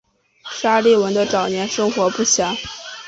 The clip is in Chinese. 沙利文的早年生活不详。